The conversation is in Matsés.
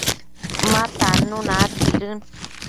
ma tannuna aidquidën